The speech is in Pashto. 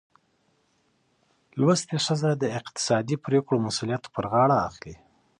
زده کړه ښځه د اقتصادي پریکړو مسؤلیت پر غاړه اخلي.